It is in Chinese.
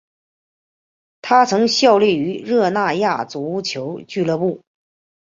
他曾效力于热那亚足球俱乐部。